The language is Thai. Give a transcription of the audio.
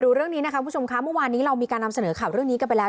เรื่องนี้นะคะคุณผู้ชมค่ะเมื่อวานนี้เรามีการนำเสนอข่าวเรื่องนี้กันไปแล้ว